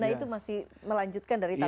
nah itu masih melanjutkan dari tahun